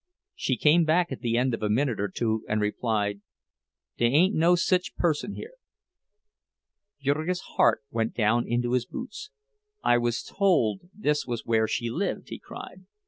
She came back at the end of a minute or two, and replied, "Dey ain't no sich person here." Jurgis's heart went down into his boots. "I was told this was where she lived!" he cried.